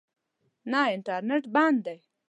نه، انټرنېټ بند دی